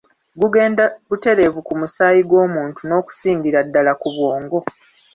Gugenda butereevu mu musaayi gw'omuntu n'okusingira ddala ku bwongo.